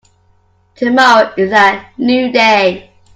Tomorrow is a new day.